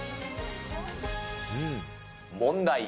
問題。